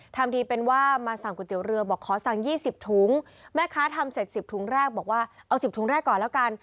ทำทีเป็นว่ามาสั่งก๋วยเตี๋ยวเรือบอกขอสั่งยี่สิบถุงแม่ค้าทำเสร็จ๑๐ถุงแรกบอกว่าเอา๑๐ถุงแรกก่อนแล้วกัน